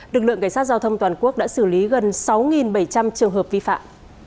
đcgtq đã xử lý gần sáu bảy trăm linh trường hợp vi phạm